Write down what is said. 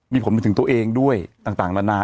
มีผลไปถึงตัวเองด้วยต่างนานา